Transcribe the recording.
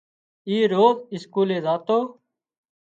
اِي روز اسڪولي زاتو